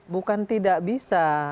bukan tidak bisa